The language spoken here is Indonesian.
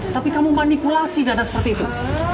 tapi kamu manipulasi dada seperti itu